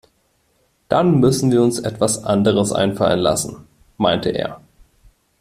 Dann müssen wir uns etwas anderes einfallen lassen, meinte er.